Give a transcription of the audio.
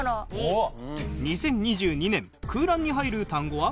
２０２２年空欄に入る単語は？